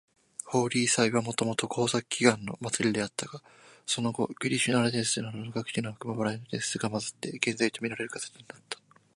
ホーリー祭はもともと豊作祈願の祭りであったが、その後クリシュナ伝説などの各地の悪魔払いの伝説などが混ざって、現在みられる形になった。